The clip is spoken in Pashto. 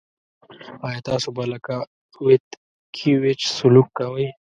آیا تاسو به لکه ویتکیویچ سلوک کوئ.